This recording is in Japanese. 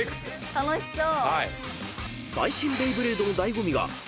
楽しそう！